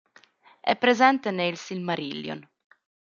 È presente ne "Il Silmarillion".